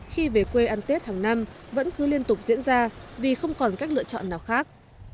khi về quê ăn tết hàng năm vẫn cứ liên tục diễn ra vì không còn cách lựa chọn nào khác